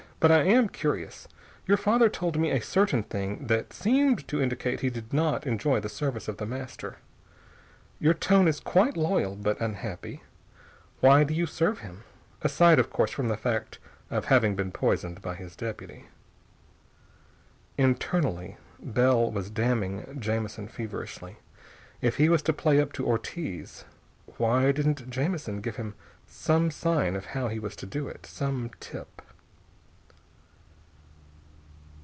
But I am curious. Your father told me a certain thing that seemed to indicate he did not enjoy the service of The Master. Your tone is quite loyal, but unhappy. Why do you serve him? Aside, of course, from the fact of having been poisoned by his deputy." Internally, Bell was damning Jamison feverishly. If he was to play up to Ortiz, why didn't Jamison give him some sign of how he was to do it? Some tip....